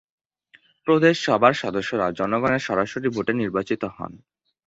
প্রদেশ সভার সদস্যরা জনগণের সরাসরি ভোটে নির্বাচিত হন।